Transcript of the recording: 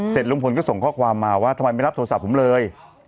ลุงพลก็ส่งข้อความมาว่าทำไมไม่รับโทรศัพท์ผมเลย